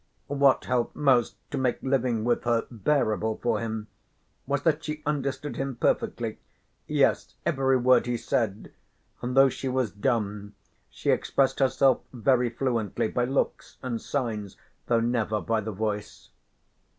What helped most to make living with her bearable for him was that she understood him perfectly yes, every word he said, and though she was dumb she expressed herself very fluently by looks and signs though never by the voice.